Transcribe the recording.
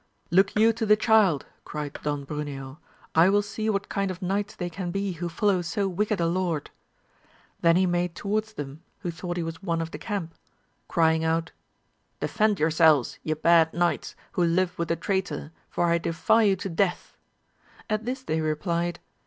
Look you to the child, cried Don Bruneo, I will see what kind of knights they can be who follow so wicked a lord. Then he made towards them, who thought he was one of the camp, crying out, Defend yourself, ye bad knights, who live with the traitor, for I defy you to death. At this they replied.